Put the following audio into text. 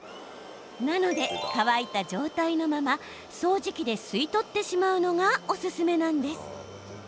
なので、乾いた状態のまま掃除機で吸い取ってしまうのがおすすめなんです。